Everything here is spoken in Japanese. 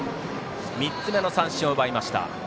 ３つ目の三振を奪いました。